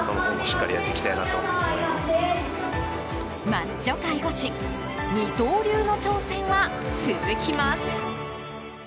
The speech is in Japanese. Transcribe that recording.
マッチョ介護士二刀流の挑戦は続きます。